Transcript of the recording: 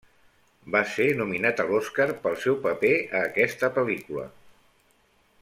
Va ser nominat a l'Oscar pel seu paper a aquesta pel·lícula.